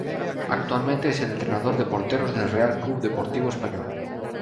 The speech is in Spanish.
Actualmente es el entrenador de porteros del Real Club Deportivo Español.